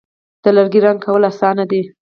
د لرګي رنګ کول آسانه دي.